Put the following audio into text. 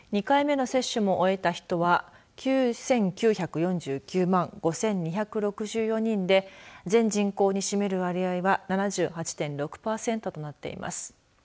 ２回目の接種も終えた人は９９４９万５２６４人で全人口に占める割合は７８．６パーセントとなっています。